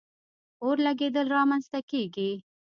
اور لګېدل را منځ ته کیږي.